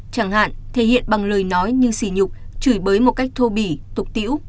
chẳng hạn thể hiện bằng lời nói như xì nhục chửi bới một cách thô bỉ tục tiễu